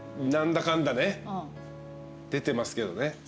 何だかんだね出てますけどね。